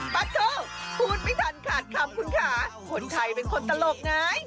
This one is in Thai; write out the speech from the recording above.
ป้าโทพูดไม่ทันขาดคำคุณค่ะคนไทยเป็นคนตลกไง